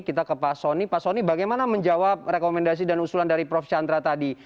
kita ke pak soni pak soni bagaimana menjawab rekomendasi dan usulan dari prof chandra tadi